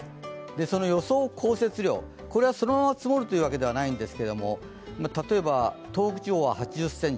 その予想降雪量、これはそのまま積もるというわけではないんですが、例えば東北地方は８０ｃｍ